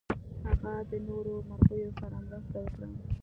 هغه د نورو مرغیو سره مرسته وکړه.